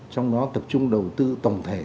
trong đó tập trung đầu tư tổng thể